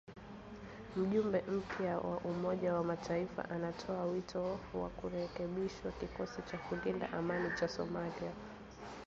Mjumbe mpya wa Umoja wa mataifa anatoa wito wa kurekebishwa kikosi cha kulinda amani cha Somalia